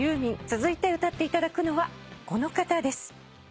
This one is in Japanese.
続いて歌っていただくのはこの方です。